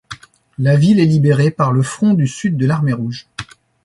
La ville est libérée par le front du sud de l'Armée rouge.